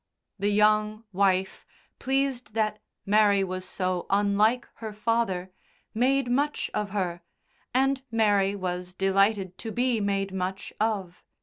The young wife, pleased that Mary was so unlike her father, made much of her, and Mary was delighted to be made much of.